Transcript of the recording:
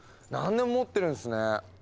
何でも持ってるんすね。